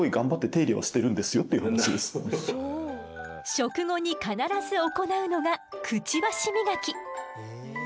食後に必ず行うのがクチバシ磨き。